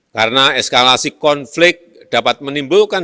karena eskalasi konflik dapat menimbulkan